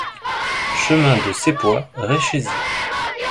Chemin de Seppois, Réchésy